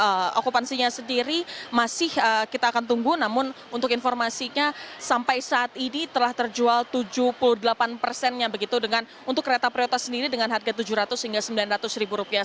jadi untuk okupansinya sendiri masih kita akan tunggu namun untuk informasinya sampai saat ini telah terjual tujuh puluh delapan persennya begitu untuk kereta prioritas sendiri dengan harga tujuh ratus hingga sembilan ratus ribu rupiah